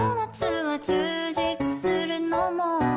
กลัวจูจิตสุดในมองโด